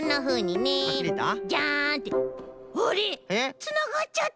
つながっちゃってる！